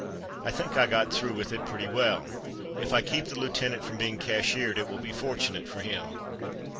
I think I got through with it pretty well. If I keep the lieutenant from being cashiered it will be fortunate for him."